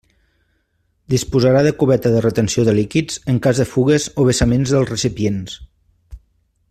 Disposarà de cubeta de retenció de líquids en cas de fugues o vessaments dels recipients.